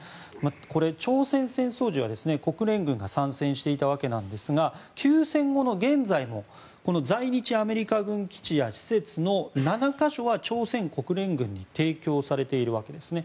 これ、朝鮮戦争時は国連軍が参戦していたわけですが休戦後の現在も在日アメリカ軍基地・施設の７か所は朝鮮国連軍に提供されているわけですね。